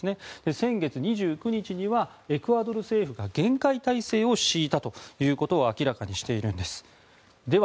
先月２９日にはエクアドル政府が厳戒態勢を敷いたということを明らかにしているんです。